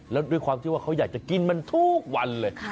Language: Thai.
แล้วด้วยความที่ว่าเขาอยากจะกินมันทุกวันเลย